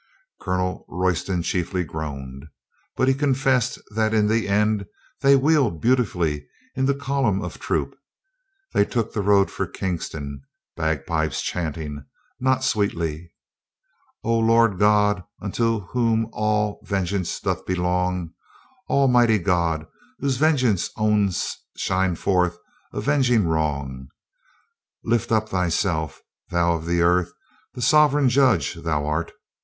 Colonel Royston chiefly groaned. But he confessed that in the end they wheeled beautifully into column of troop. They took the road for Kingston Bagpuize chanting, not sweetly — O, Lord God, unto Whom alone all vengeance doth belong; O, mighty God, Who vengeance own'st, shine forth, avenging wrong; Lift up Thyself, Thou of the earth the sovereign Judge that art.